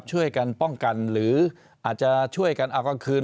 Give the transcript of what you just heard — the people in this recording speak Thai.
ช่วยกันป้องกันหรืออาจจะช่วยกันเอากลางคืน